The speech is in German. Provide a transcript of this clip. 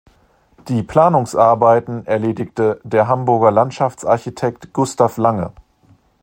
Die Planungsarbeiten erledigte der Hamburger Landschaftsarchitekt Gustav Lange.